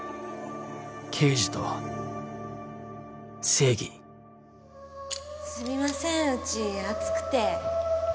「刑事とは正義」すみませんうち暑くて